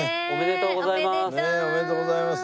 おめでとうございます。